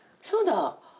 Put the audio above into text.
そうだ。